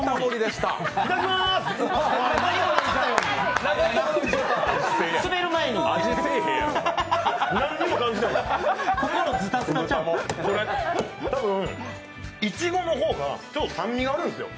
たぶん、いちごの方が酸味があるんすよ。